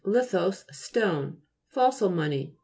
lithos, stone. Fossil money.